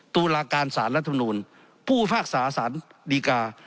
ตุลาการสารรัฐนูนผู้ภาคสารสารดีการ